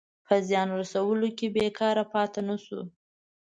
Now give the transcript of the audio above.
په زیان رسولو کې بېکاره پاته نه شو.